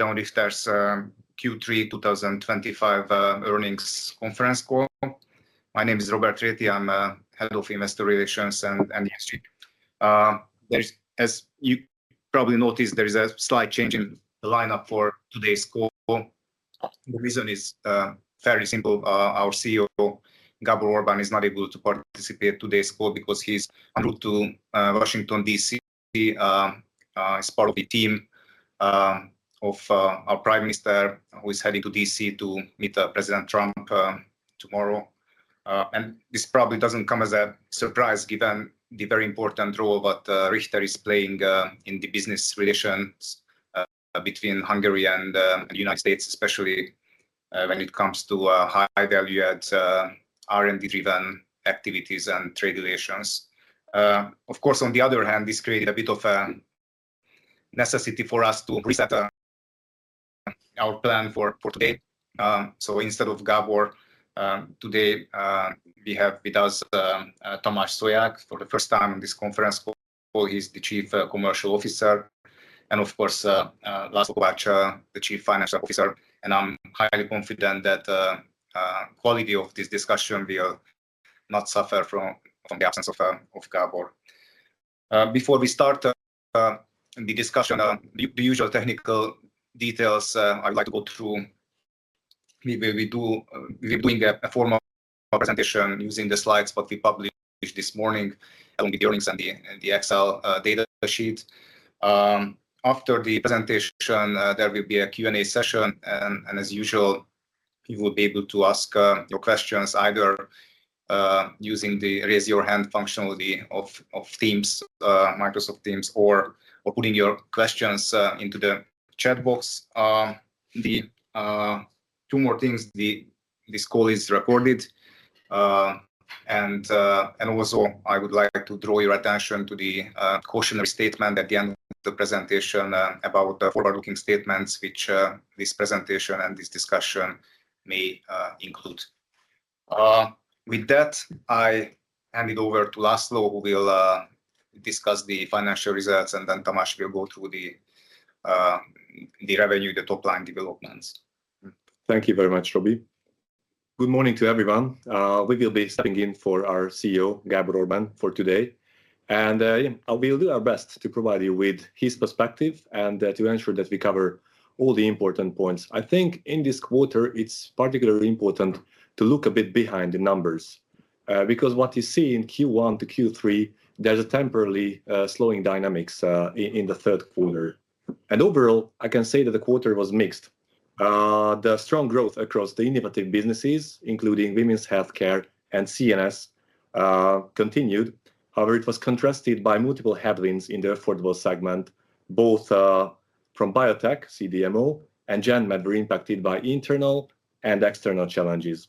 Gedeon Richter's Q3 2025 earnings conference call. My name is Róbert Réthy, I'm Head of Investor Relations and industry. As you probably noticed, there is a slight change in the lineup for today's call. The reason is fairly simple. Our CEO Gábor Orbán is not able to participate in today's call because he's en route to Washington D.C. He is part of the team of our Prime Minister who is heading to D.C. to meet President Trump tomorrow. This probably doesn't come as a surprise given the very important role that Richter is playing in the business relations between Hungary and the United States, especially when it comes to high value R&D driven activities and trade relations. Of course, on the other hand, this created a bit of a necessity for us to reset our plan for today. So instead of Gábor today we have with us Tamás Szolyák. For the first time in this conference call, he's the Chief Commercial Officer and of course László Kovács the Chief Financial Officer. And I'm highly confident that quality of this discussion will not suffer from the absence of Gábor. Before we start the discussion, the usual technical details I'd like to go through. We're doing a formal presentation using the slides what we published this morning along with the earnings and the Excel data sheet. After the presentation there will be a Q&A session and as usual you will be able to ask your questions either using the raise your hand functionality of teams, Microsoft Teams or putting your questions into the chat box. Two more things. This call is recorded and also I would like to draw your attention to the cautionary statement at the end of the presentation about the forward looking statements which this presentation and this discussion may include. With that I hand it over to László who will discuss the financial results and then Tamás will go through the the revenue, the top line developments. Thank you very much Robbie. Good morning to everyone. We will be stepping in for our CEO Gáb Orbán for today and we'll do our best to provide you with his perspective and to ensure that we cover all the important points. I think in this quarter it's particularly important to look a bit behind the numbers because what you see in Q1-Q3 there's a temporarily slowing dynamics in the third quarter and overall I can say that the quarter was mixed. The strong growth across the innovative businesses including Women's healthcare and CNS continued. However, it was contrasted by multiple headwinds in the affordable segment both from Biotech, CDMO and GenMed were impacted by internal and external challenges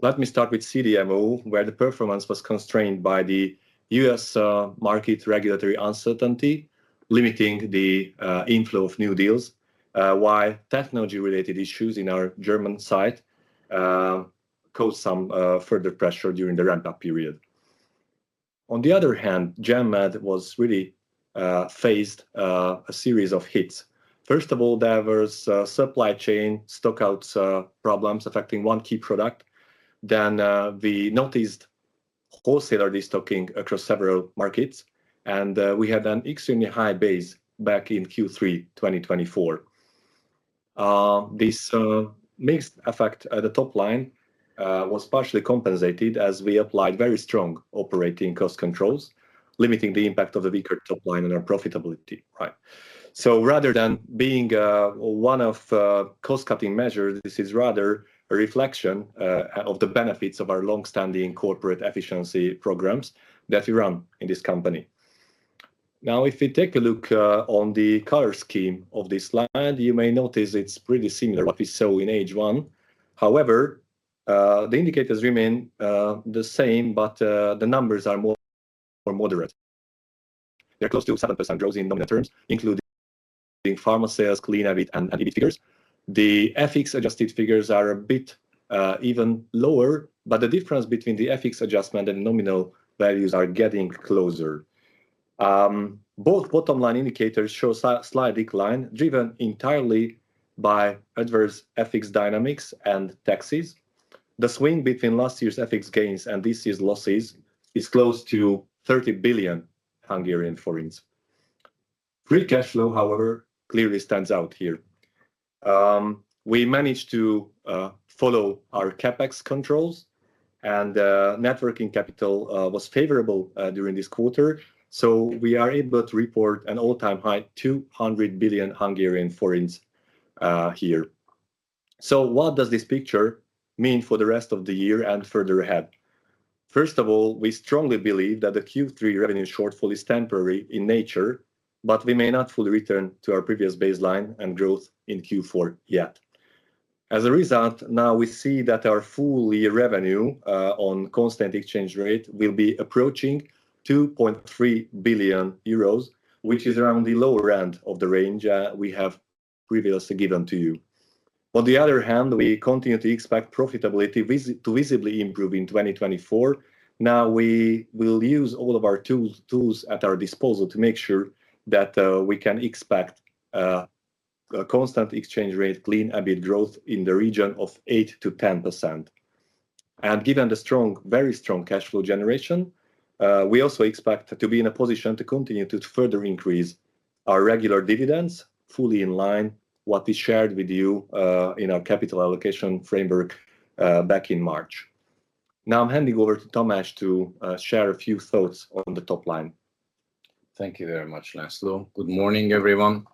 Let me start with CDMO where the performance was constrained by the U.S. market regulatory uncertainty limiting the inflow of new deals. While technology related issues in our German side caused some further pressure during the ramp up period. On the other hand, GenMed was really faced a series of hits. First of all there was supply chain stock outs problems affecting one key product. Then we noticed wholesaler destocking across several markets and we had an extremely high base back in Q3 2024. This mixed effect at the top line was partially compensated as we applied very strong operating cost controls, limiting the impact of the weaker top line on our profitability. Right. So rather than being one of cost cutting measures, this is rather a reflection of the benefits of our long standing corporate efficiency programs that we run in this company. Now if we take a look on the color scheme of this slide, you may notice it's pretty similar what we saw in H1. However the indicators remain the same but the numbers are more moderate. They're close to 7% growth in nominal terms including pharma sales, Clean EBIT and [EBIT figures]. The FX adjusted figures are a bit even lower, but the difference between the FX adjustment and nominal values are getting closer. Both bottom line indicators show slight decline driven entirely by by adverse ethics dynamics and taxes. The swing between last year's ethics gains and this year's losses is close to 30 billion Hungarian foreign. Free cash flow however, clearly stands out here. We managed to follow our CapEx controls and networking capital was favorable during this quarter. So we are able to report an all time high 200 billion here. So what does this picture mean for the rest of the year and further ahead? First of all, we strongly believe that the Q3 revenue shortfall is temporary in nature, but we may not fully return to our previous baseline and growth in Q4 yet. As a result, now we see that our full year revenue on constant exchange rate will be approaching 2.3 billion euros, which is around the lower end of the range we have previously given to you. On the other hand, we continue to expect profitability to visibly improve in 2024. Now we will use all of our tools at our disposal to make sure that we can expect a constant exchange rate clean EBIT growth in the region of 8%-10%. Given the strong, very strong cash flow generation, we also expect to be in a position to continue to further increase our regular dividends fully in line what we shared with you in our capital allocation framework back in March. Now I'm handing over to Tamás to share a few thoughts on the top line. Thank you very much, László. Good morning everyone.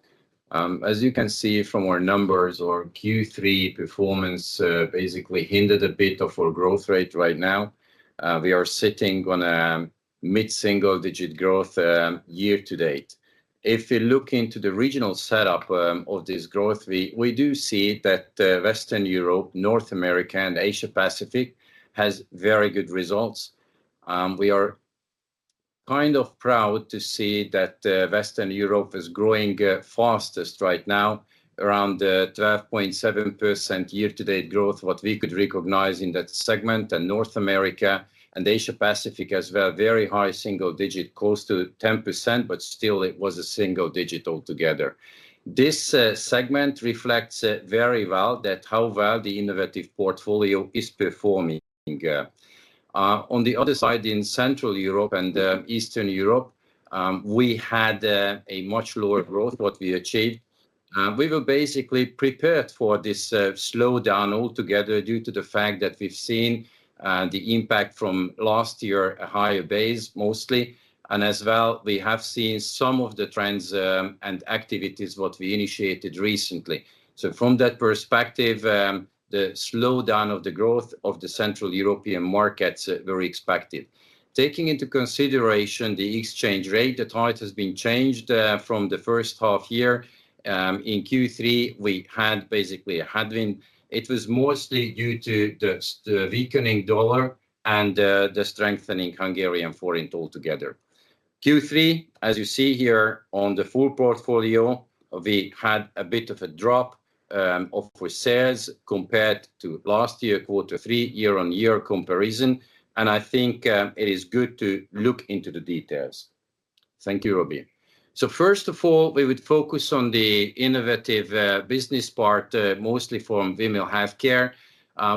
As you can see from our numbers or Q3 performance basically hindered a bit of our growth rate. Right now we are sitting on a mid single digit growth year-to-date. If you look into the regional setup of this growth, we do see that Western Europe, North America and Asia Pacific has very good results. We are kind of proud to see that Western Europe is growing fastest right now. Around 12.7% year-to-date growth. What we could recognize in that segment and North America and Asia Pacific as well, very high single digit, close to 10% but still it was a single digit altogether. This segment reflects very well that how. The innovative portfolio is performing. On the other side in Central Europe. Eastern Europe we had a much lower growth. What we achieved, we were basically prepared. For this slowdown altogether due to the fact that we've seen the impact from last year a higher base mostly. As well, we have seen some of the trends and activities what we initiated recently. From that perspective, the slowdown of the growth of the Central European markets very expected. Taking into consideration the exchange rate, the tide has been changed. From the first half year in Q3. We had basically a headwind. It was mostly due to the weakening. Dollar and the strengthening Hungarian forint. Altogether Q3 as you see here on the full portfolio we had a bit. Of a drop of sales compared to last year. Quarter three, year on year comparison and I think it is good to look into the details. Thank you Robbie. So first of all we would focus on the innovative business part mostly from female healthcare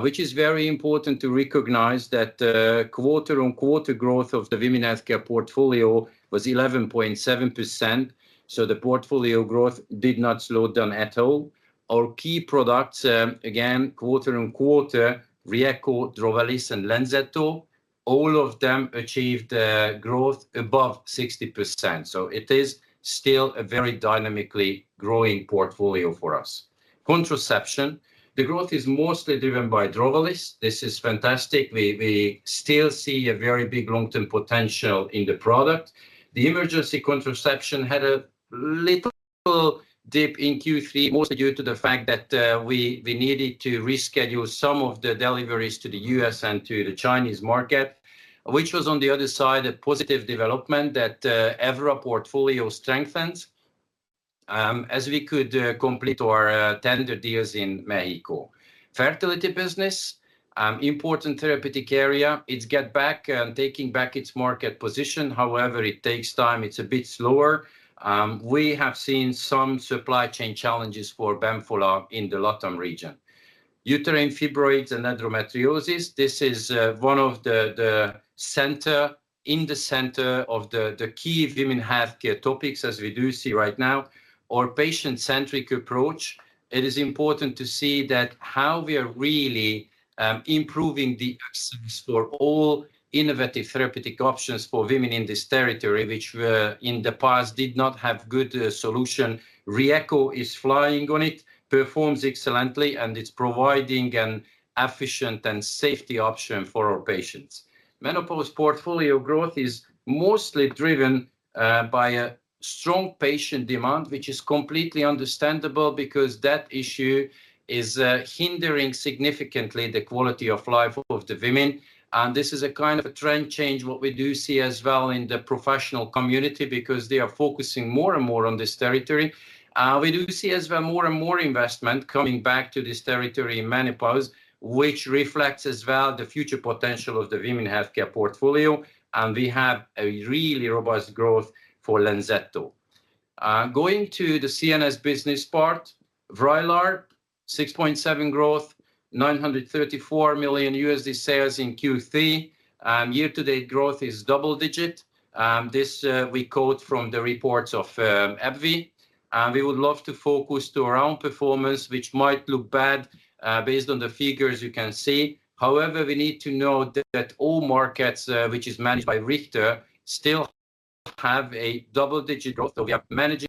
which is very important to recognize that quarter-on-quarter growth of the women healthcare portfolio was 11.7%. So the portfolio growth did not slow down at all. Our key products again quarter-on-quarter, Ryeqo, Drovelis and Lenzetto all of them achieved growth above 60%. So it is still a very dynamically. Growing portfolio for us. Contraception the growth is mostly driven by Drovelis. This is fantastic. We still see a very big long term potential in the product. The emergency contraception had a little dip in Q3 mostly due to the fact that we needed to reschedule some of the deliveries to the U.S. and to the Chinese market which was on the other side a positive development that ever portfolio strengthens as we could complete our tender deals in Mexico. Fertility business, important therapeutic area. It's getting back and taking back its market position. However it takes time, it's a bit slower. We have seen some supply chain challenges for Bemfola in the LatAM region. Uterine fibroids and endometriosis. This is one of the center in the center of the key women healthcare topics. As we do see right now or patient centric approach. It is important to see that how we are really improving the access for all innovative therapeutic options for women in this territory which in the past did not have good solution. Ryeqo is flying on. It performs excellently and it's providing an efficient and safety option for our patients. And menopause portfolio growth is mostly driven by a strong patient demand which is completely understandable because that issue is hindering significantly the quality of life of the women. And this is a kind of trend change. What we do see as well in the professional community because they are focusing more and more on this territory. We do see as well more and more investment coming back to this territory in menopause which reflects as well the future potential of the women healthcare portfolio. And we have a really robust growth for Lanzetto going to the CNS business part. Vraylar 6.7 growth 934 million USD sales in Q3 year-to-date growth is double digit. This we quote from the reports of AbbVie. We would love to focus to our own performance which might look bad based on the figures you can see. However, we need to know that all markets which is managed by Richter still have a double digit growth. Managing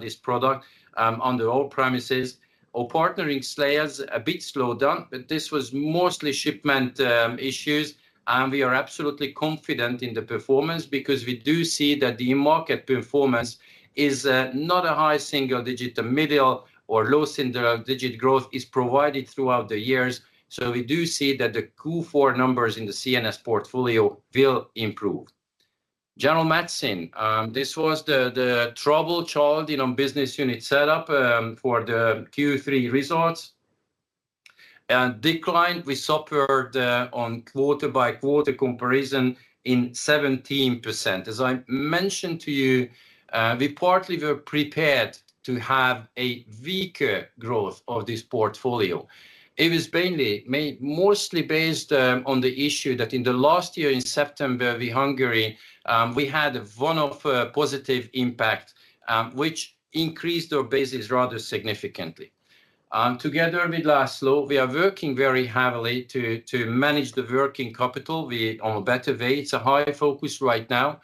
this product on the old premises or partnering slayers a bit slow down. But this was mostly shipment issues. And we are absolutely confident in the performance because we do see that the market performance is not a high single digit. The middle or low single digit growth is provided throughout the years. So we do see that the Q4 numbers in the CNS portfolio will improve. General Medicine this was the trouble Charlie Non business unit Setup for the Q3. Results. Decline we suffered on quarter by quarter comparison in 17%. As I mentioned to you, we partly were prepared to have a weaker growth of this portfolio. It was mainly made mostly based on the issue that in the last year in September Hungary we had one of positive impact which increased our basis rather significantly. Together with László, we are working very heavily to manage the working capital on a better way. It's a high focus right now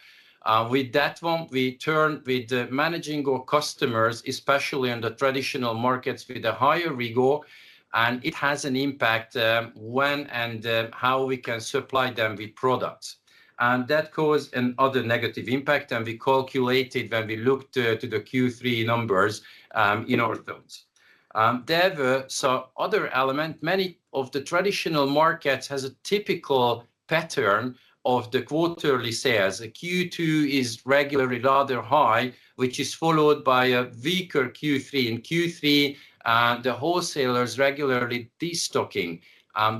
with that one. We turn with managing our customers especially in the traditional markets with a higher rigor. And it has an impact when and how we can supply them with products. And that caused another negative impact. And we calculated when we looked to the Q3 numbers in our films there were some other element. Many of the traditional markets has a typical pattern of the quarterly sales Q2 is regularly rather high which is followed by a weaker Q3 and Q3 the wholesalers regularly destocking.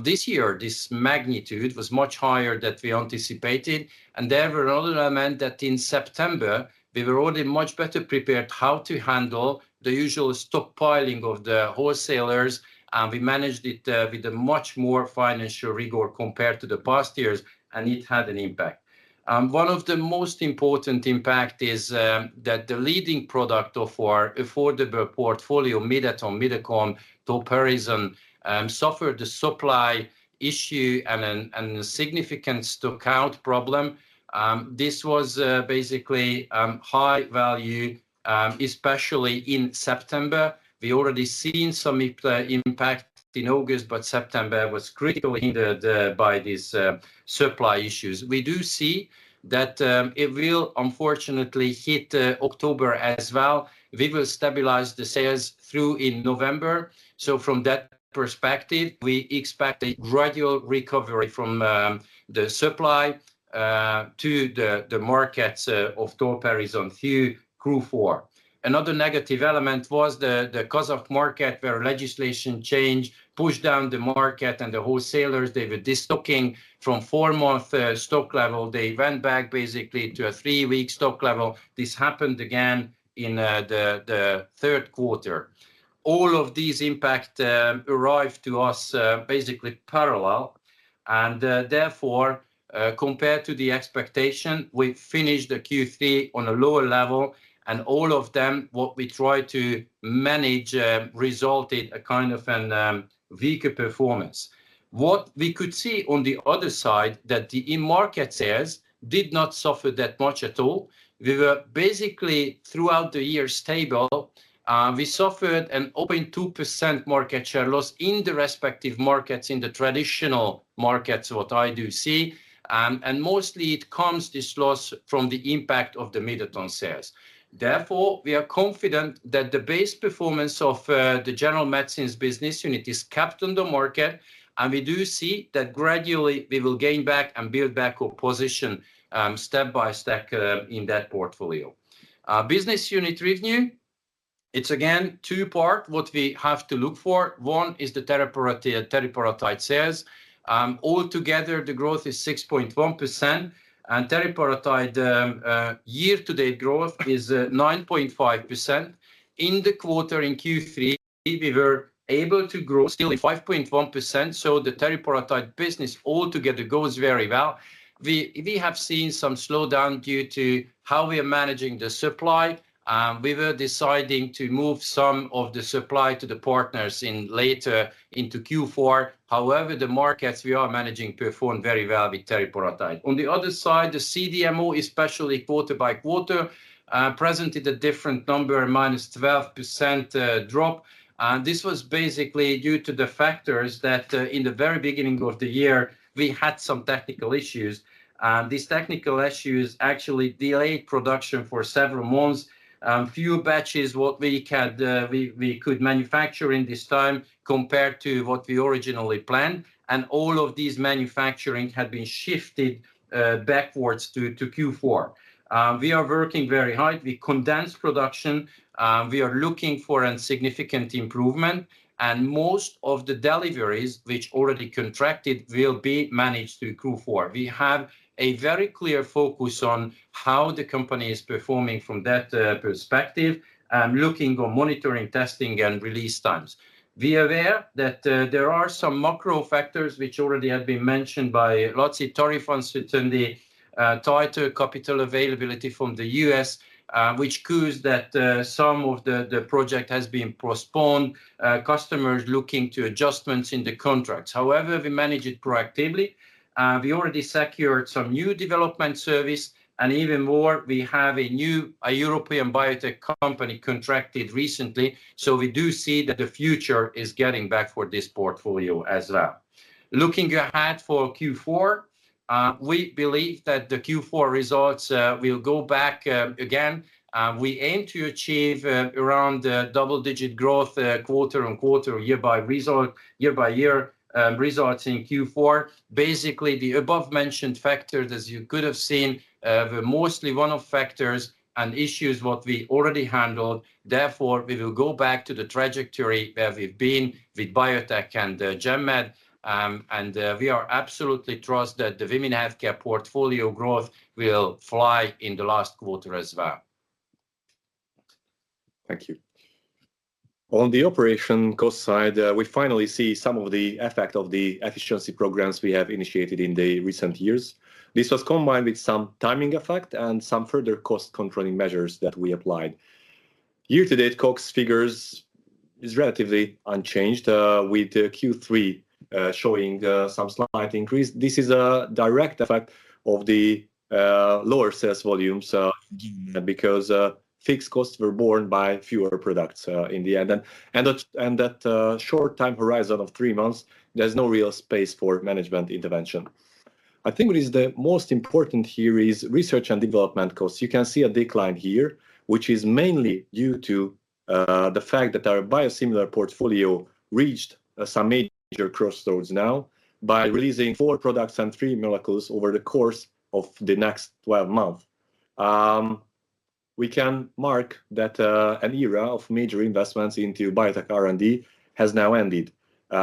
This year this magnitude was much higher than we anticipated. And there were another meant that in September we were already much better prepared how to handle the usual stockpiling of the wholesalers. And we managed it with a much more financial rigor compared to the past years. And it had an impact. One of the most important impact is that the leading product of our affordable portfolio Mydeton/Mydocalm tolperisone suffered a supply issue and significant stock out problem. This was basically high value, especially in September. We already seen some impact in August but September was critically hindered by these supply issues. We do see that it will unfortunately hit October as well. We will stabilize the sales through in November. So from that perspective we expect a gradual recovery from the supply to the markets of tolperisone few crew four. Another negative element was the Kazakh market where legislation change pushed down the market and the wholesalers they were destocking from four month stock level. They went back basically to a three week stock level. This happened again in the third quarter. All of these impact arrived to us basically parallel and therefore compared to the expectation we finished the Q3 on a lower level. And and all of them what we try to manage resulted a kind of a weaker performance. What we could see on the other side that the market sales did not suffer that much at all. We were basically throughout the year stable. We suffered an open 2% market share loss in the respective markets. In the traditional markets. What I do see and mostly it comes this loss from the impact of the Mydeton sales. And therefore we are confident that the base performance of the general medicines business unit is kept on the market. And we do see that gradually we will gain back and build back our position step by step in that portfolio business unit revenue. It's again two part what we have to look for. One is the teriparatide sales. Altogether the growth is 6.1% and teriparatide year-to-date growth is 9.5% in the quarter. In Q3 we were able to grow still 5.1%. So the teriparatide business altogether goes very well. We have seen some slowdown due to how we are managing the supply. We were deciding to move some of the supply to the partners later into Q4. However. However the markets we are managing performed very well with teriparatide on the other side. The CDMO especially quarter by quarter presented a different number. -12% drop. This was basically due to the factors that in the very beginning of the year we had some technical issues. These technical issues actually delayed production for several months. Few batches. What we can we could manufacture in this time compared to what we originally planned. And all of these manufacturing had been shifted backwards due to Q4. We are working very hard. We condense production. We are looking for a significant improvement and most of the deliveries which already contracted will be managed to accrue for we have a very clear focus on how the company is performing from that perspective. And looking on monitoring, testing and release times. We are there that there are some macro factors which already have been mentioned by lots of tariff on certainly tighter capital availability from the U.S. which caused that some of the project has been postponed. Customers looking to adjustments in the contracts. However, we manage it proactively. We already secured some new development service and even more we have a new European biotech company contracted recently. So we do see that the future. Is getting back for this portfolio as well. Looking ahead for Q4, we believe that the Q4 results will go back again. We aim to achieve around double digit growth quarter-on-quarter, year by result, year-by-year results in Q4. Basically the above mentioned factors as you could have seen were mostly one off factors and issues what we already handled. Therefore we will go back to the trajectory where we've been with Biotech and GenMed and we absolutely trust that the women healthcare portfolio growth will fly. In the last quarter as well. Thank you. On the operation cost side, we finally see some of the effect of the efficiency programs we have initiated in the recent years. This was combined with some timing effect and some further cost controlling measures that we applied year-to-date. COGS figures is relatively unchanged with Q3 showing some slight increase. This is a direct effect of the lower sales volumes because fixed costs were borne by fewer products in the end and that short time horizon of three months, there's no real space for management intervention. I think what is the most important here is research and development costs. You can see a decline here which is mainly due to the fact that our biosimilar portfolio reached some major crossroads. Now, by releasing four products and three molecules over the course of the next 12 months, we can mark that an era of major investments into Biotech R&D has now ended.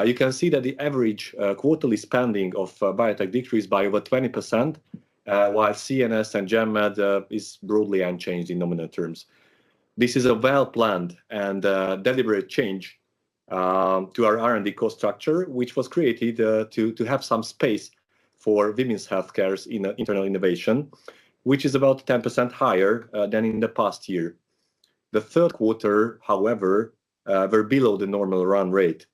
You can see that the average quarterly spending of biotech decreased by over 20% while CNS and GenMed is broadly unchanged in nominal terms. This is a well planned and deliberate change to our R&D cost structure which was created to have some space for women's healthcare internal innovation which is about 10% higher than in the past year. The third quarter however were below the normal run rate.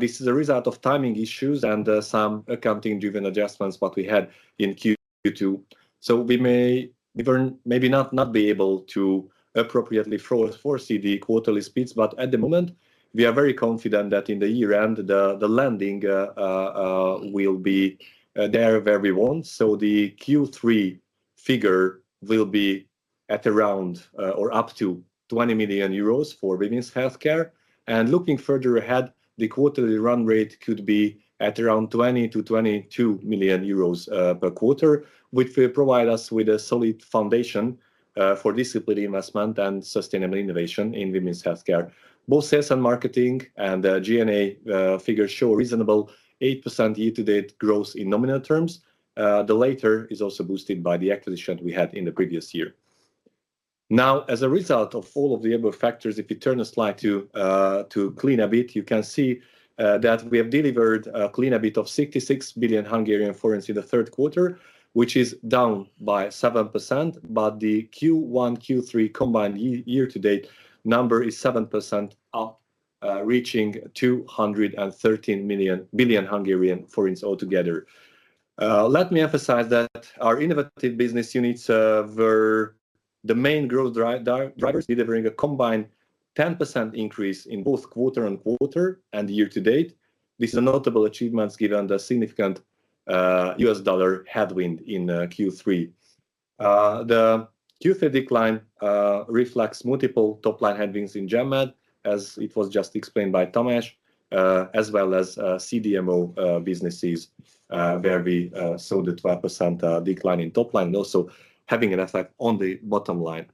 This is a result of timing issues and some accounting driven adjustments what we had in Q2. So we may even maybe not be able to appropriately foresee the quarterly speeds. But at the moment we are very confident that in the year end the lending will be there where we want. So the Q3 figure will be at around or up to 20 million euros for women's healthcare. And looking further ahead, the quarterly run rate could be at around 20 million-22 million euros per quarter, which will provide us with a solid foundation for disciplined investment and sustainable innovation in women's healthcare. Both sales and marketing and GNA figures show reasonable 8% year-to-date growth in nominal terms. The later is also boosted by the acquisition we had in the previous year. Now, as a result of all of the above factors, if you turn the slide to Clean EBIT you can see that we have delivered a Clean EBIT of 66 billion Hungarian forints in the third quarter which is down by 7%. But the Q1 Q3 combined year-to-date number is 7% up reaching 213 million altogether. Let me emphasize that our innovative business units were the main growth drivers delivering a combined 10% increase in both quarte-on-quarter and year-to-date. This is a notable achievement given the significant US dollar headwind in Q3. The Q3 decline reflects multiple top line headwinds in GenMed as it was just explained by Tamás as well as CDMO businesses where we saw the 12% decline in top line also having an effect on the bottom line.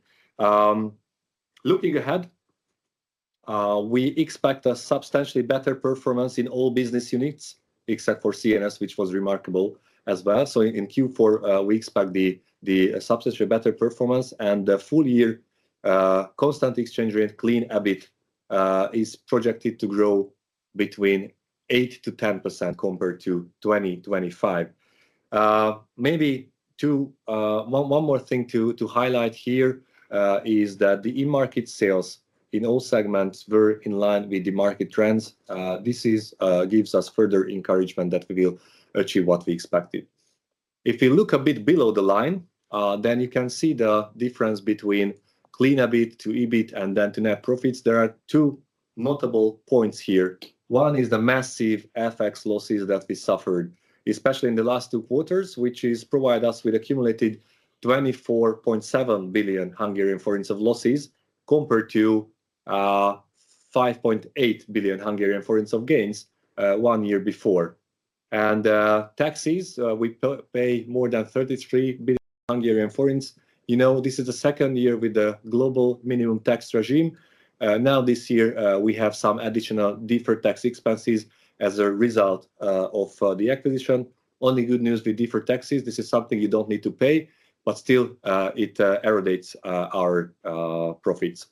Looking ahead we expect a substantially better performance in all business units except for CNS which was remarkable as well. So in Q4 we expect the substantially better performance and the full year constant exchange rate. Clean EBIT is projected to grow between 8%-10% compared to 2025. Maybe one more thing to highlight here is that the in market sales in all segments were in line with the market trends. This gives us further encouragement that we will achieve what we expected. If you look a bit below the line then you can see the difference between Clean EBIT to EBIT and then to net profits. There are two notable points here. One is the massive FX losses that we suffered especially in the last two quarters which is provide us with accumulated 24.7 billion Hungarian forints losses compared to 5.8 billion Hungarian forints gains one year before. And taxes we pay more than 33 billion. You know this is the second year with the global minimum Tax regime. Now this year we have some additional deferred tax expenses as a result of the acquisition. Only good news, with deferred taxes, this is something you don't need to pay, but still it erodates our profits.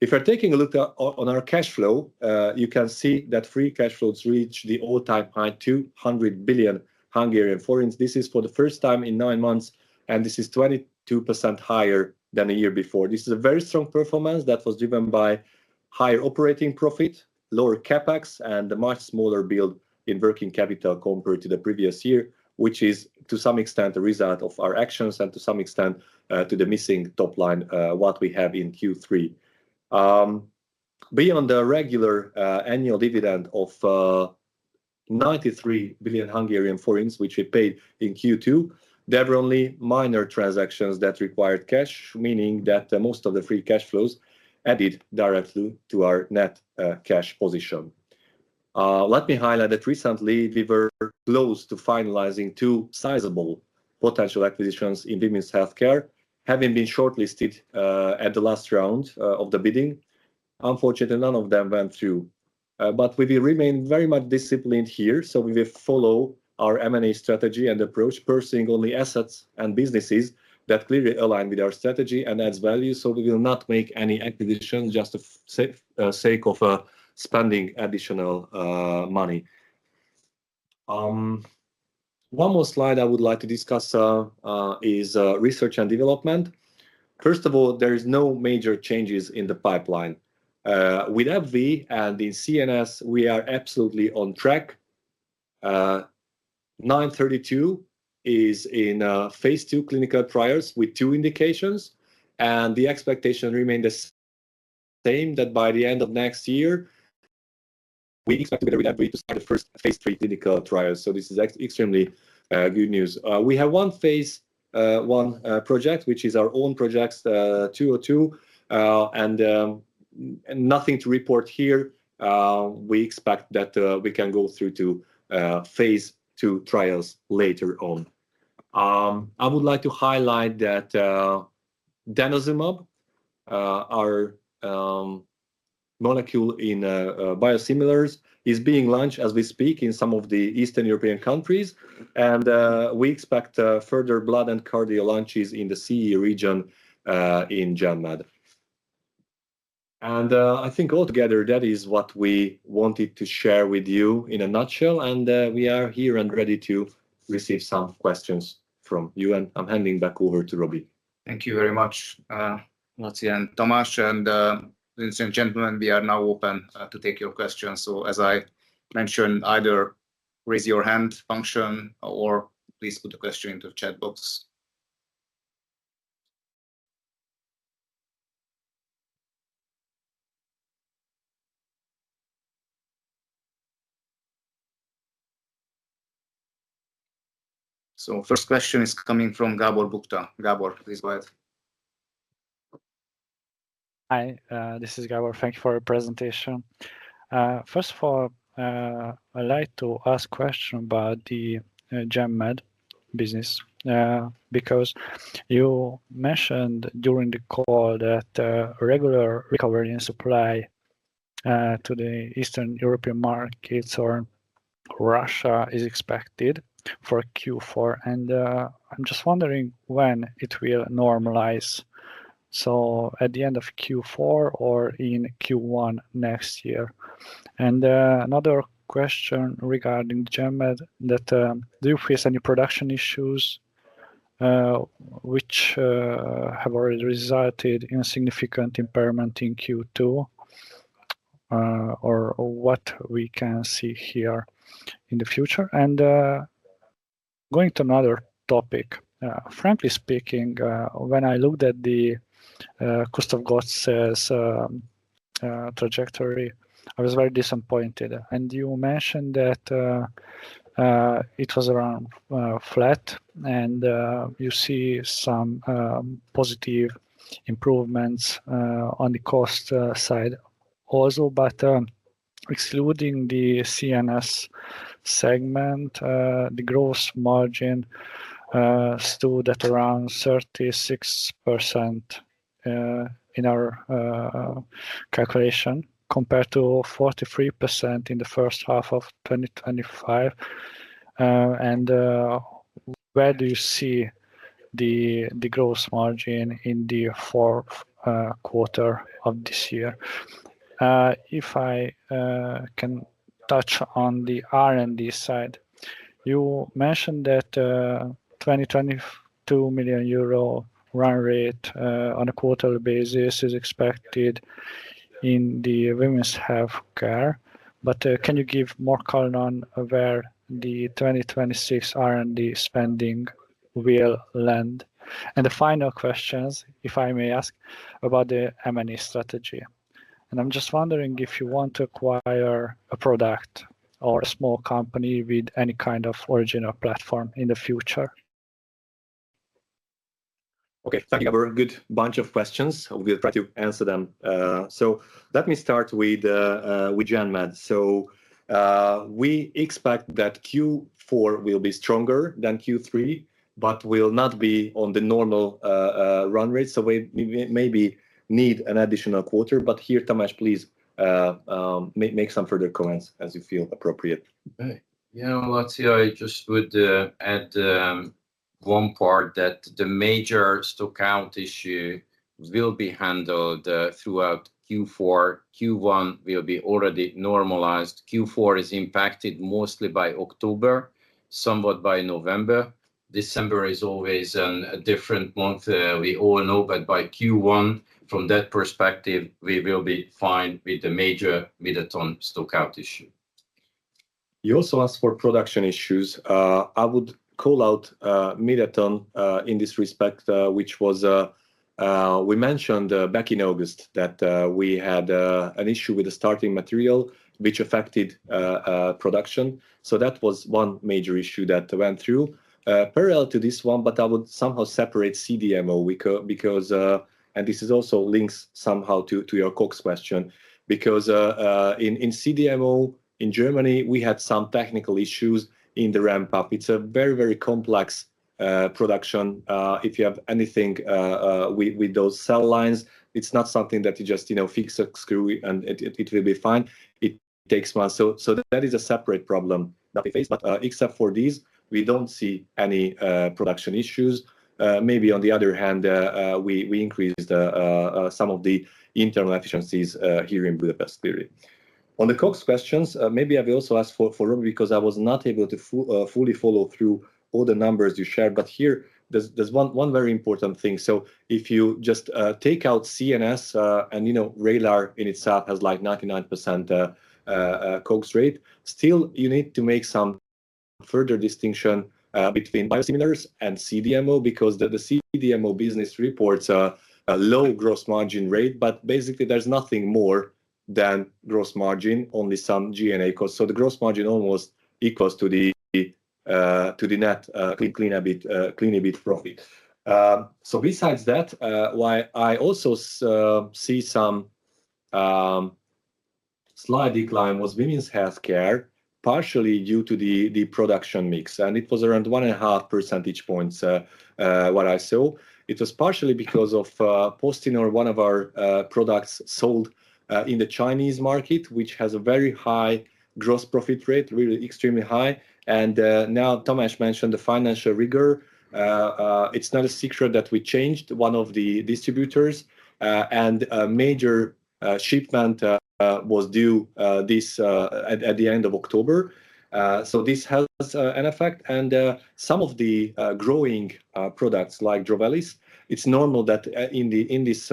If you're taking a look on our cash flow, you can see that free cash flows reach the all time high. 200 billion Hungarian forints this is for the first time in nine months and this is 22% higher than a year before. This is a very strong performance that was driven by higher operating profit, lower CapEx and the much smaller build in working capital compared to the previous year, which is to some extent a result of our actions and to some extent to the missing top line. What we have in Q3 beyond the regular annual dividend of 93 billion Hungarian forints which we paid in Q2, there were only minor transactions that required cash, meaning that most of the free cash flows added directly to our net cash position. Let me highlight that recently we were close to finalizing two sizable potential acquisitions in women's healthcare, having been shortlisted at the last round of the bidding. Unfortunately none of them went through. But we remain very much disciplined here. So we will follow our M&A strategy and approach pursuing only assets and businesses that clearly align with our strategy and adds value. So we will not make any acquisition just for the sake of spending additional money. One more slide I would like to discuss is research and development. First of all there is no major changes in the pipeline with AbbVie and in CNS. We are absolutely on track. 932 is in phase II clinical trials with two indications and the expectation remains the same that by the end of next year we expect to start the first phase III clinical trials. So this is extremely good news. We have one phase one project which is our own project 202 and nothing to report here. We expect that we can go through to phase II trials later on. I would like to highlight that denosumab, our molecule in biosimilars, is being launched as we speak in some of the Eastern European countries and we expect further blood and cardio launches in the CE region in Janmad. And I think altogether that is what we wanted to share with you in a nutshell. And we are here and ready to receive some questions from you. And I'm handing back over to Robbie. Thank you very much László and Tamás and ladies and gentlemen, we are now open to take your questions. So as I mentioned, either raise your hand function or please put the question into the chat box. So first question is Coming from Gábor Bukta Gábor, please go ahead. Hi, this is Gábor. Thank you for your presentation. First of all, I like to ask question about the GenMed business because you mentioned during the call that regular recovery in supply to the Eastern European markets or Russia is expected for Q4 and just wondering when it will normalize so at the end of Q4 or in Q1 next year. And another question regarding GenMed that do you face any production issues which have already resulted in a significant impairment in Q2 or what we can see here in the future? And going to another topic, frankly speaking, when I looked at the Kustof Gotz trajectory I was very disappointed and you mentioned that it was around flat and you see some positive improvements on the cost side also. But excluding the CNS segment, the gross margin stood at around 36% in our calculation compared to 43% in the first half of 2025. And where do you see the gross margin in the four quarter of this year? If I can touch on the R&D side, you mentioned that 2022 million euro run rate on a quarterly basis is expected in the women's health care. But can you give more color on where the 2026 R&D spending will land? And the final questions if I may ask about the M&A strategy and I'm just wondering if you want to acquire a product or a small company with any kind of original platform in the future. Okay, thank you. Good bunch of questions. We'll try to answer them. So let me start with GenMed. So we expect that Q4 will be stronger than Q3 but will not be on the normal run rate. So we maybe need an additional quarter. But here Tamás, please make some further comments as you feel appropriate. I just would add one part that the major stock out issue will be handled throughout Q4. Q1 will be already normalized. Q4 is impacted mostly by October, somewhat by November. December is always a different month we all know. But by Q1 from that perspective we will be fine with the major Mydeton stock out issue. You also asked for production issues. I would call out Mydeton in this respect which was we mentioned back in August that we had an issue with the starting material which affected production. So that was one major issue that went through parallel to this one. But I would somehow separate CDMO because and this is also links somehow to your COGS question because in CDMO in Germany we had some technical issues in the ramp up. It's a very very complex production. If you have anything with Those cell lines, it's not something that you just fix a screw and it will be fine. It takes months. So that is a separate problem that we face. But except for these we don't see any production issues. Maybe on the other hand we increase some of the internal efficiencies here in Budapest. Clearly on the COGS questions, maybe I will also ask for Robby because I was not able to fully follow through all the numbers you shared. But here there's one very important thing. So if you just take out CNS and Vraylar in itself has like 99% COGS rate still you need to make some further distinction between biosimilars and CDMO because the CDMO business reports a low gross margin rate. But basically there's nothing more than gross margin, only some G&A cost. So the gross margin almost equals to the net Clean EBIT profit. So besides that I also see some slight decline. Was women's healthcare partially due to the production mix and it was around 1.5 percentage points. What I saw it was partially because of posting or one of our products sold in the Chinese market which has a very high gross profit rate, really extremely high. And now Tamás mentioned the financial rigor. It's not a secret that we changed one of the distributors and major shipment was due this at the end of October. So this has an effect. And some of the growing products like Drovelis, it's normal that in the in this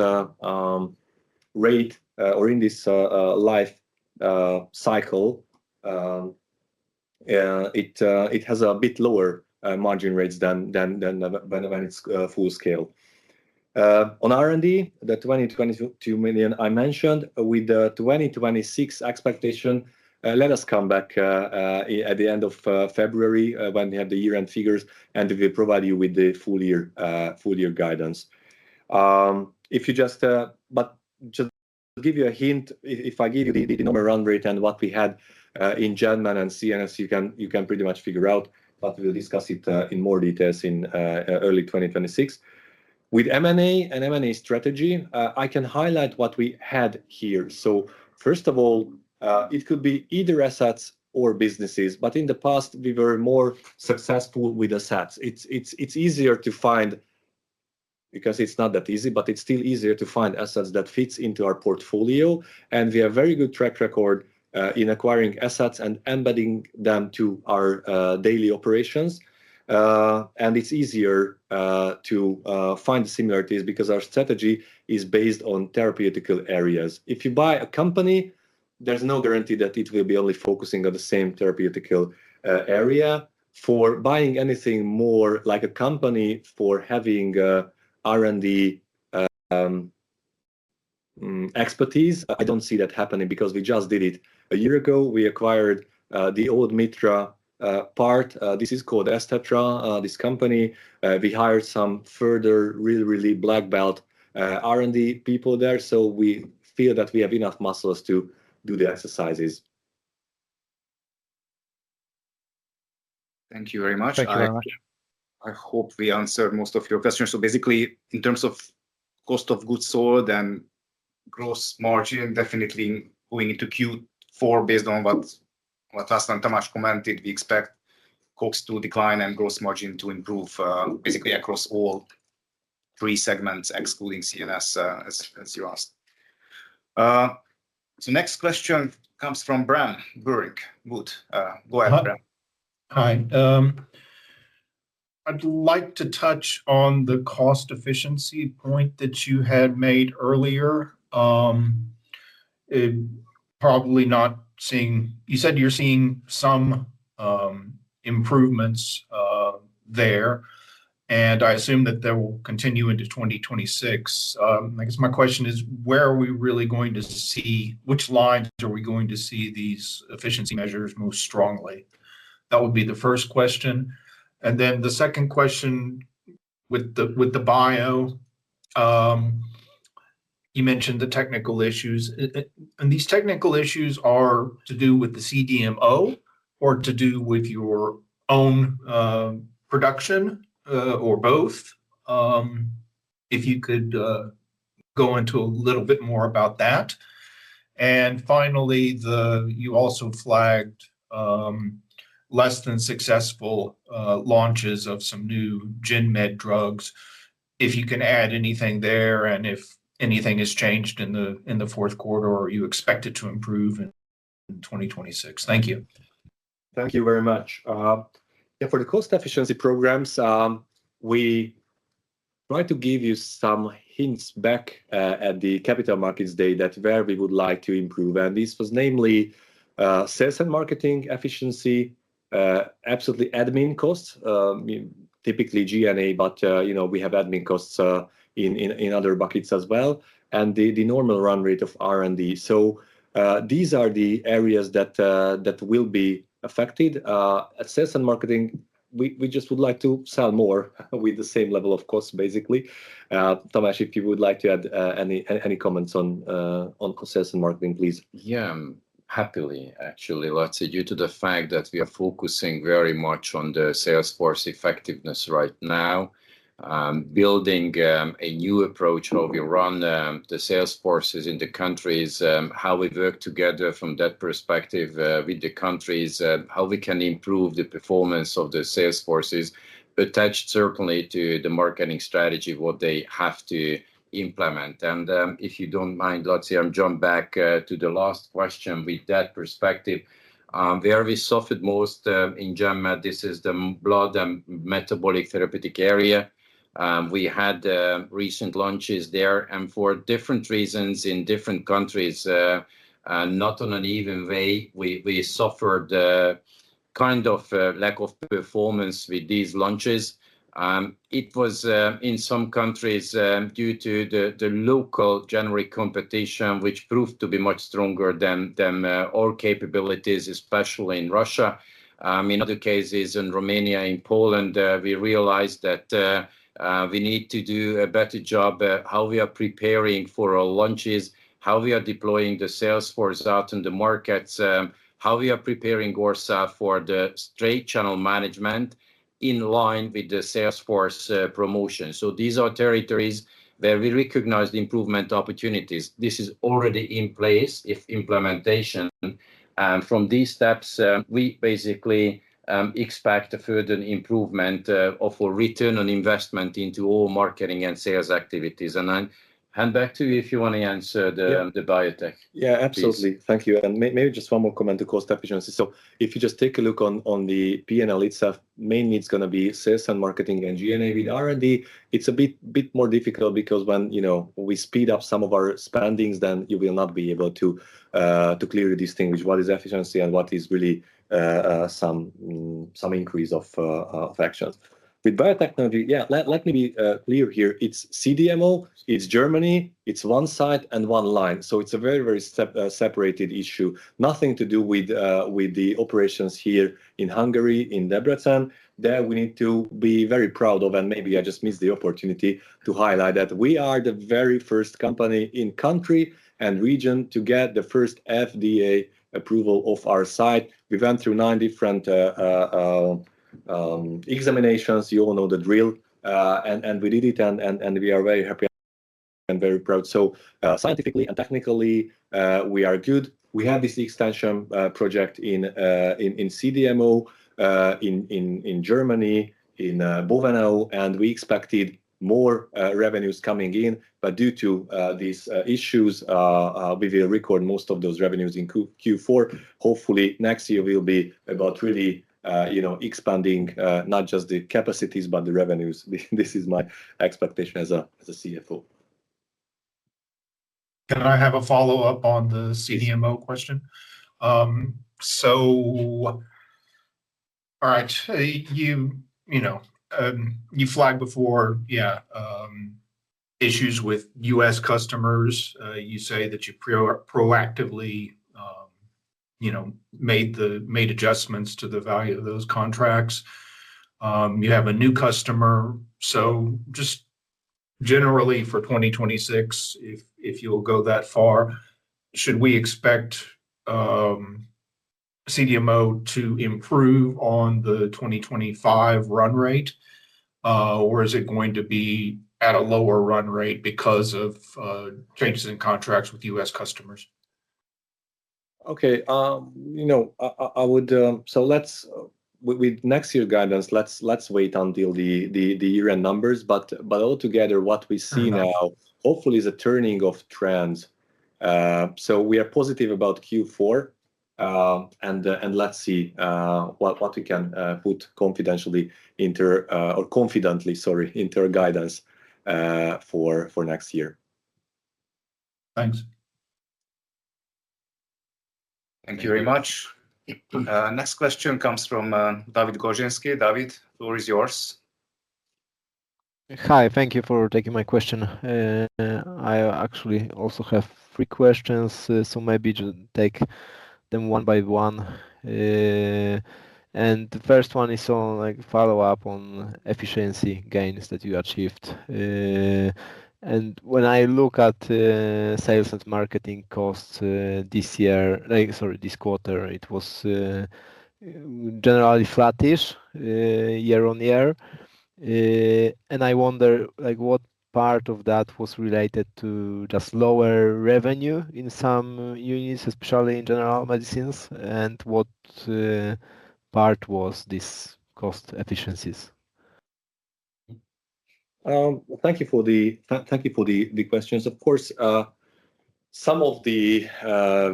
rate or in this life cycle it has a bit lower margin rates than when it's full scale on R&D. The 2022 million I mentioned with the 2026 expectation. Let us come back at the end of February when we have the year end figures and we provide you with the full year guidance. If you just give you a hint. If I give you the number run rate and what we had in GenMed and CNS you can pretty much figure out. But we'll discuss it in more details in early 2026. With M&A and M&A strategy, I can highlight what we had here. So first of all, it could be either assets or businesses. But in the past we were more successful with assets. It's easier to find because it's not that easy, but it's still easier to find assets that fits into our portfolio. And we have very good track record in acquiring assets and embedding them to our daily operations. And it's easier to find similarities because our strategy is based on therapeutical areas. If you buy a company, there's no guarantee that it will be only focusing on the same therapeutical area for buying anything, more like a company for having R&D expertise. I don't see that happening because we just did it a year ago. We acquired the old Mitra part. This is called Estetra, this company we hired some further really, really black belt R&D people there. So we feel that we have enough muscles to do the exercises. Thank you very much. I hope we answered most of your questions. So basically in terms of cost of goods sold and gross margin, definitely going into Q4 based on what has commented, we expect COGS to decline and gross margin to improve basically across all three segments excluding CNS as you asked. So next question comes from Bram Buring. Good, go ahead. Hi. I'd like to touch on the cost efficiency point that you had made earlier. Probably not seeing you said you're seeing some improvements there and I assume that they will continue into 2026. I guess my question is where are we really going to see which lines are we going to see these efficiency measures most strongly? That would be the first question and then the second question with the, with the BIO you mentioned the technical issues and these technical issues are to do with the CDMO or to do with your own production or both. If you could go into a little bit more about that. Finally you also flagged less than successful launches of some new GenMed drugs. If you can add anything there and if anything has changed in the, in the fourth quarter or you expect it to improve in 2026. Thank you, thank you very much for the cost efficiency programs. We try to give you some hints back at the capital markets day that where we would like to improve and this was namely sales and marketing efficiency. Absolutely. Admin costs typically G&A, but we have admin costs in other buckets as well and the normal run rate of R&D. So these are the areas that will be affected at sales and marketing. We just would like to sell more with the same level of cost basically. Tamás, if you would like to add any comments on consensus and marketing please. Yeah, happily actually lots due to the fact that we are focusing very much on the salesforce effectiveness right now, building a new approach, how we run the sales forces in the countries, how we work together from that perspective with the countries, how we can improve the performance of the sales forces attached certainly to the marketing strategy, what they have to implement and if you don't mind, let's see. I'm jumping back to the last question with that perspective. Where we suffered most in GenMed, this is the blood and metabolic Therapeutic area. We had recent launches there and for different reasons in different countries, not on an even way. We suffered kind of lack of performance with these launches. It was in some countries due to the local generic competition which proved to be much stronger than our capabilities, especially in Russia. In other cases in Romania, in Poland, we realized that we need to do a better job. How we are preparing for our launches, how we are deploying the salesforce out in the markets, how we are preparing ORSA for the straight channel management in line with the salesforce promotion. These are territories where we recognize the improvement opportunities. This is already in place. If implementation from these steps, we basically expect a further improvement of a return on investment into all marketing and sales activities. I hand back to you if you want to answer the biotech. Yeah, absolutely. Thank you. And maybe just one more comment to cost efficiency. So if you just take a look on the P&L itself main needs going to be sales and marketing and G&A. With R& D it's a bit more difficult because when we speed up some of our spendings then you will not be able to clearly distinguish what is efficiency and what is really some increase of actions with biotechnology. Yeah, let me be clear here. It's CDMO, it's Germany. It's one side and one line. So it's a very, very separated issue. Nothing to do with the operations here in Hungary, in Debrecen that we need to be very proud of. And maybe I just missed the opportunity to highlight that we are the very first company in country and region to get the first FDA approval of our site. We went through nine different examinations. You all know the drill and we did it and we are very happy and very proud. So scientifically and technically we are good. We have this extension project in CDMO in Germany, in Bovenau and we expected more revenues coming in. But due to these issues, we will record most of those revenues in Q4. Hopefully next year will be about really expanding not just the capacities but the revenues. This is my expectation as a CFO. Can I have a follow up on the CDMO question? So, all right. You flagged before issues with U.S. customers. You say that you proactively, you know, made the, made adjustments to the value of those contracts. You have a new customer. So just generally for 2026, if, if you'll go that far, should we expect CDMO to improve on the 2025 run rate or is it going to be at a lower run rate because of changes in contracts with U.S. customers? Okay, you know I would. So let's with next year guidance. Let's. Let's wait until the year end numbers. But. But altogether what we see now hopefully is a turning of trends so we are positive about Q4 and let's see what we can put confidentially or confidently. Sorry, interguidance for next year. Thanks. Thank you very much. Next question comes from Dawid Górzyński. Dawid, floor is yours. Hi. Thank you for taking my question. I actually also have three questions so maybe just take them one by one and the first one is follow up on efficiency gains that you achieved. And when I look at sales and marketing costs this year, sorry, this quarter it was generally flattish year-on-year and I wonder like what part of that was related to just lower revenue in some units, especially in general medicines. And what part was this cost efficiencies. Thank you for the. Thank you for the questions. Of course some of the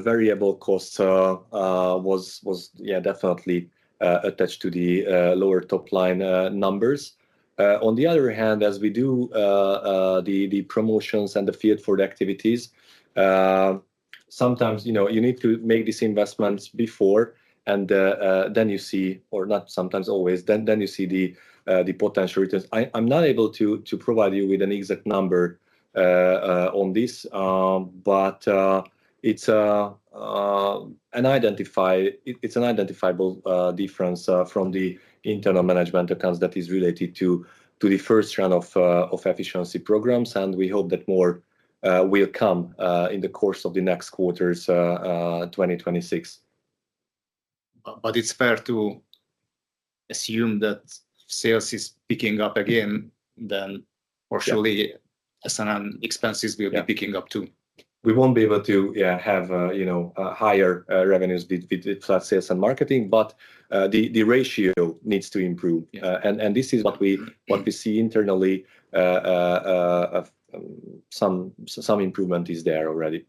variable costs was definitely attached to the lower top line numbers. On the other hand, as we do the promotions and the fiat for the activities. Sometimes you need to make these investments before and then you see. Or not sometimes, always. Then you see the potential returns. I'm not able to provide you with an exact number on this, but it's an identifiable difference from the internal management accounts that is related to the first run of efficiency programs and we hope that more will come in the course of the next quarters. 2026. But it's fair to assume that sales is picking up again then or surely SNL expenses will be picking up too. We won't be able to have higher revenues with flat sales and marketing but the ratio needs to improve and this is what we see internally some improvement is there already.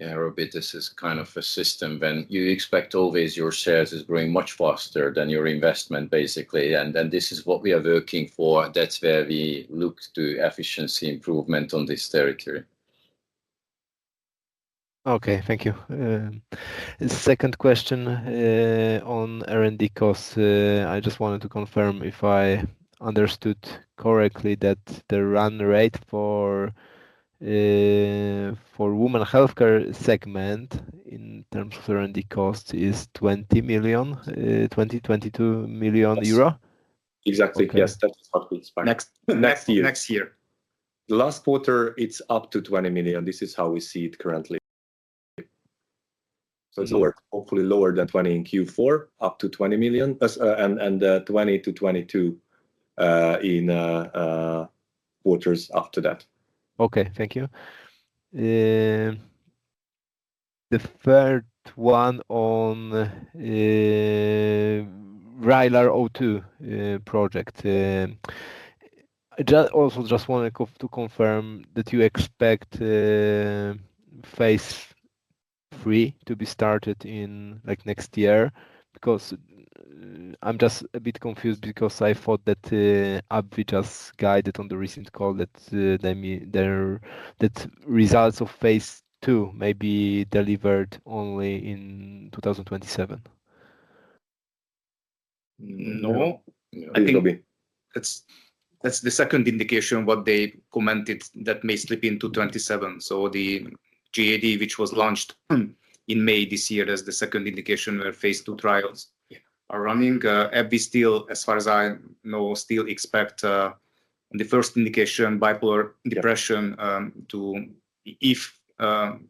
Aerobit, this is kind of a system when you expect always your shares is growing much faster than your investment basically and then this is what we are working for. That's where we look to efficiency improvement on this territory. Okay, thank you. Second question on R&D costs. I just wanted to confirm if I understood correctly that the run rate for for women healthcare segment in terms of R&D cost is 20 million. 20 million-22 million euros. Exactly. Yes. That's what we expect next year. The last quarter it's up to 20 million. This is how we see it currently, so it's lower, hopefully lower than 20 in Q4 up to 20 million and 20 to 22 in quarters after that. Okay, thank you. The third one on Vraylar O2 project. I also just wanted to confirm that you expect phase three to be started in next year because I'm just a bit confused because I thought that AbbVie just guided on the recent call that results of phase two may be delivered only in 2027. No. That's the second indication what they commented that may slip into 2027. So the GAD, which was launched in May this year as the second indication where phase two trials are running, AbbVie still, as far as I know, still expect the first indication, bipolar depression to if the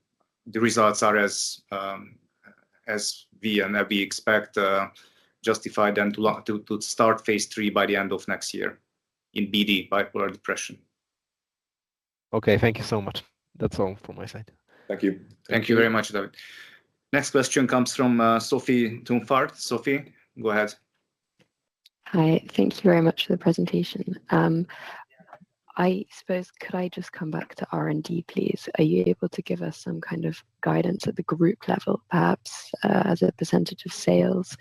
results are as we and we expect justified, then to start phase three by the end of next year in BD bipolar depression. Okay, thank you so much. That's all from my side. Thank you. Thank you very much, Dawid. Next question comes from Sophie Thumfart. Sophie, go ahead. Hi. Thank you very much for the presentation. I suppose. Could I just come back to R&D please? Are you able to give us some kind of guidance at the group level, perhaps as a percentage of sales?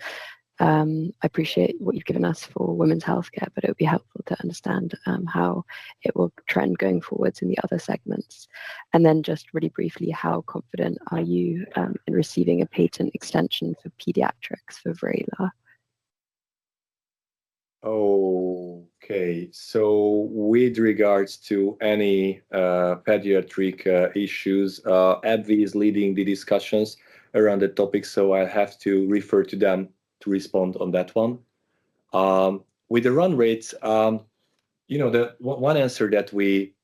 I appreciate what you've given us for women's healthcare, but it would be helpful to understand how it will trend going forward in the other segments. And then just really briefly, how confident are you in receiving a patent extension for pediatrics for Vraylar? Okay. With regards to any pediatric issues, AbbVie is leading the discussions around the topic. I have to refer to them to respond on that one with the run rates. You know, the one answer that we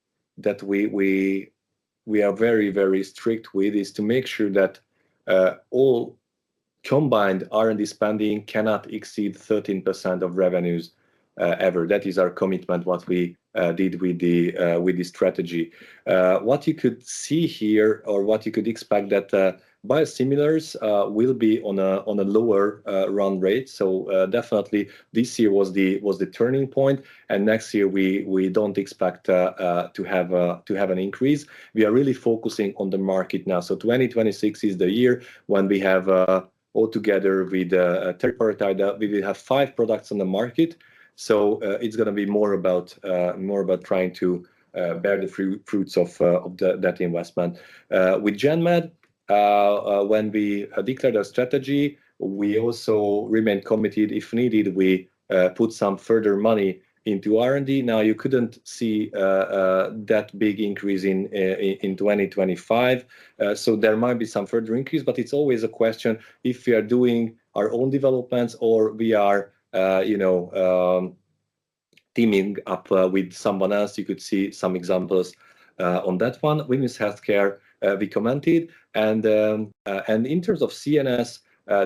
are very, very strict with is to make sure that all combined R&D spending cannot exceed 13% of revenues ever. That is our commitment. What we did with the strategy, what you could see here or what you could expect that biosimilars will be on a lower run rate. Definitely this year was the turning point and next year we don't expect to have an increase. We are really focusing on the market now. 2026 is the year when we have all together with teriparatide that we have five products on the market. It's going to be more about trying to bear the fruits of that investment. With GenMed when we declared our strategy, we also remain committed. If needed, we put some further money into R&D. Now you couldn't see that big increase in 2025, so there might be some further increase. But it's always a question if we are doing our own developments or we are teaming up with someone else. You could see some examples on that one. Women's Healthcare, we commented and in terms of CNS,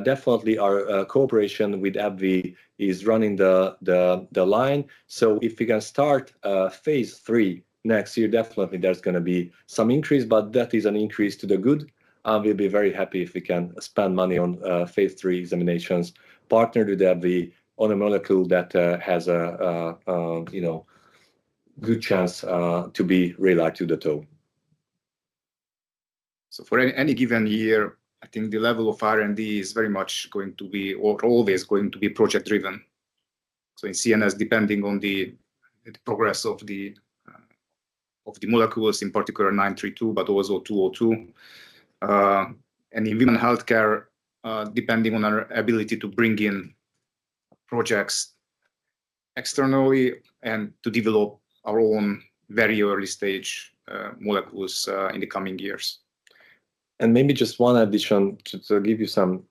definitely our cooperation with AbbVie is running fine. So if we can start phase III next year, definitely there's going to be some increase. But that is an increase to the good. We'll be very happy if we can spend money on phase three examinations, partner with AbbVie on a molecule that has good chance to be realized to the toe. For any given year I think the level of R&D is very much going to be or always going to be project driven. In CNS, depending on the progress of the molecules in particular 932, but also 202 and in Women's Healthcare, depending on our ability to bring in projects externally and to develop our own very early stage molecules in the coming years. And maybe just one addition to give you some,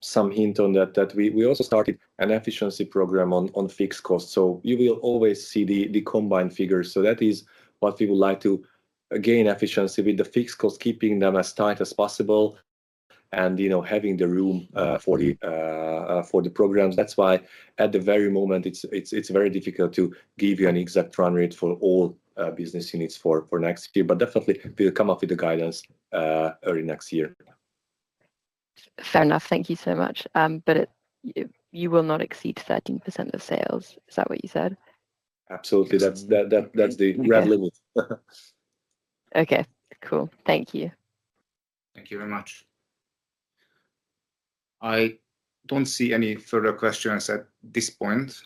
some hint on that, that we also started an efficiency program on fixed costs. So you will always see the combined figures. So that is what we would like to gain efficiency with the fixed cost, keeping them as tight as possible and you know, having the room for the programs. That's why at the very moment it's very difficult to give you an exact run rate for all business units for next year. But definitely we'll come up with the guidance early next year. Fair enough. Thank you so much. But you will not exceed 13% of sales, is that what you said? Absolutely. That's the red limit. Okay, cool. Thank you. Thank you very much. I don't see any further questions at this point.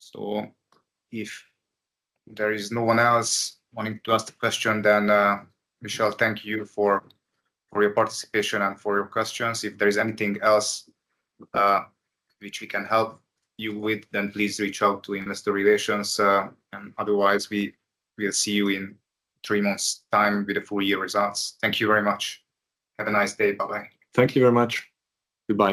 So if there is no one else wanting to ask the question then Michelle, thank you for your participation and for your questions. If there is anything else which we can help you would then please reach out to investor relations and otherwise we will see you in three months time with a full year results. Thank you very much. Have a nice day. Bye bye. Thank you very much. Goodbye.